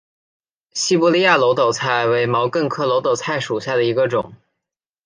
西伯利亚耧斗菜为毛茛科耧斗菜属下的一个种。